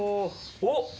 おっ。